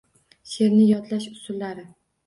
Sheʼrni yodlash usullari.